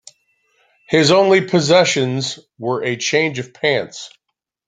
His only possessions were a change of pants.